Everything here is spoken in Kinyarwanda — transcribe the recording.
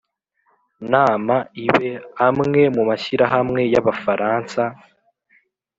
nama ibe, amwe mu mashyirahamwe y'abafaransa